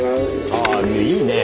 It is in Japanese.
ああいいね。